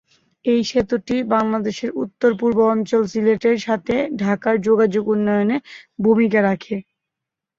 এই সেতুটি বাংলাদেশের উত্তর-পূর্ব অঞ্চল সিলেটের সাথে ঢাকার যোগাযোগ উন্নয়নে ভূমিকা রাখে।